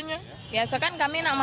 ya seakan kami nak masuk